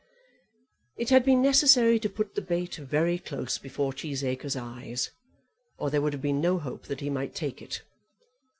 It had been necessary to put the bait very close before Cheesacre's eyes, or there would have been no hope that he might take it.